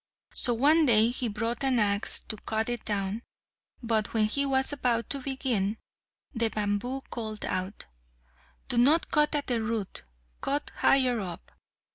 So one day he brought an axe to cut it down; but when he was about to begin, the bamboo called out, "Do not cut at the root, cut higher up."